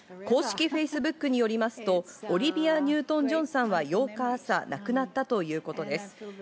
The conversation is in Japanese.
公式フェイスブックによりますとオリビア・ニュートン＝ジョンさんは８日朝、亡くなったということです。